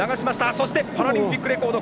そしてパラリンピックレコード。